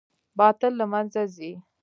باطل له منځه ځي